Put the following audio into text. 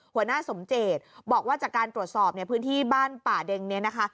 หัวหน้าสมเจตบอกว่าจากการตรวจสอบเนี่ยพื้นที่บ้านป่าเด็งเนี่ยนะคะ